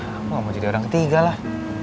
aku mau jadi orang ketiga lah